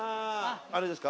あれですか？